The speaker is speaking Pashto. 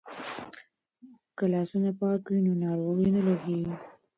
که لاسونه پاک وي نو ناروغي نه لیږدیږي.